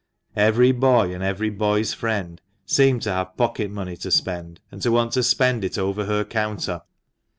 Every boy, and every boy's friend, seemed to have pocket money to spend, and to want to spend it over her counter.